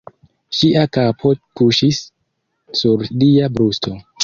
Ŝia kapo kuŝis sur lia brusto.